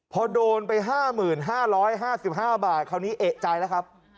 พอโดนไป๕๕บาทคราวนี้เอกใจแล้วครับ